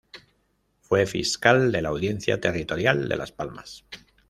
Fue fiscal de la Audiencia Territorial de Las Palmas.